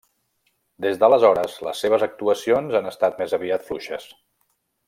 Des d'aleshores les seves actuacions han estat més aviat fluixes.